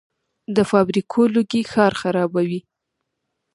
د فابریکو لوګي ښار خرابوي.